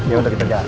ya udah kita jalan